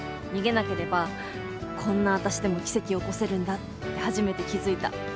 逃げなければこんな私でも奇跡起こせるんだって初めて気付いた。